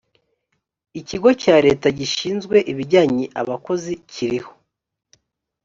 ikigo cya leta gishinzwe ibijyanye abakozi kiriho.